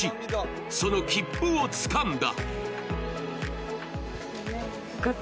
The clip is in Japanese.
その切符をつかんだ。